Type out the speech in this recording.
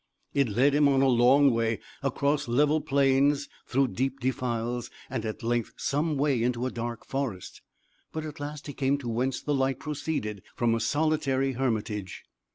It led him on a long way, across level plains, through deep defiles, and at length some way into a dark forest. But at last he came to whence the light proceeded from a solitary hermitage.